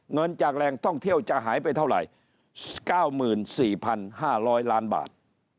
เงินจากแหล่งท่องเที่ยวจะหายไปเท่าไหร่๙๔๕๐๐ล้านบาท